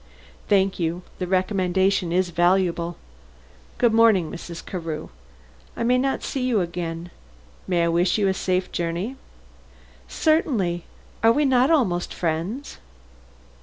"Thank you; the recommendation is valuable. Good morning, Mrs. Carew. I may not see you again; may I wish you a safe journey?" "Certainly; are we not almost friends?"